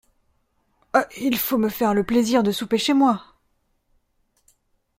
Il faut me faire le plaisir de souper chez moi…